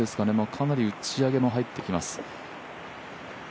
かなり打ち上げも入ってきます。